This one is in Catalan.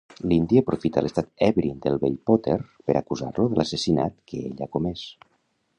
L'indi aprofita l'estat ebri del vell Potter per acusar-lo de l'assassinat que ell ha comès.